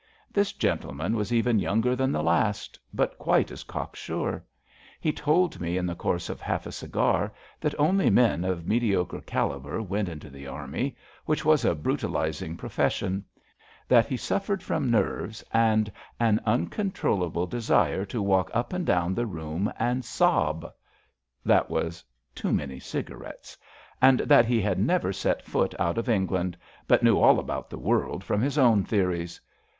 This gentleman was even younger than the last, but quite as cocksure. He told me in the course of half a cigar that only men of mediocre calibre went into the army, which was a brutalising pro fession; that he suffered from nerves and *' an un controllable desire to walk up and down the room and sob '* (that was too many cigarettes), and that he had never set foot out of England, but knew all about the world from his own theories.